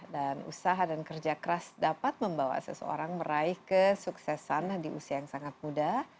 dan usaha dan kerja keras dapat membawa seseorang meraih kesuksesan di usia yang sangat muda